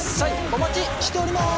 お待ちしております！